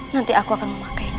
nanti aku akan memakainya